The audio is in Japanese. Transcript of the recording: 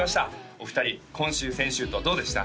お二人今週先週とどうでした？